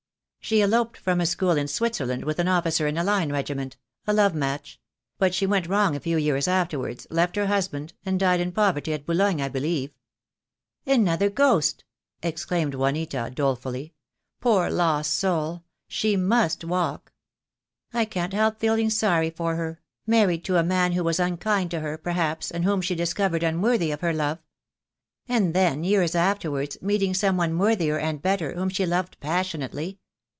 "She eloped from a school in Switzerland with an officer in a line regiment — a love match; but she went wrong a few years afterwards, left her husband, and died in poverty at Boulogne, I believe." "Another ghost!" exclaimed Juanita, dolefully. "Poor, THE DAY WILL COME. 45 lost soul, she must walk. I can't help feeling sorry for her — married to a man who was unkind to her, perhaps, and whom she discovered unworthy of her love. And then years afterwards meeting some one worthier and better, whom she loved passionately.